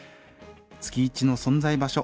「月イチの存在場所